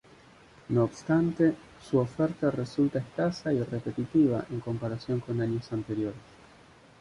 No obstante, su oferta resulta escasa y repetitiva en comparación con años anteriores.